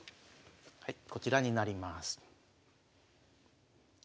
こちらになります。